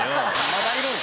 まだいるん？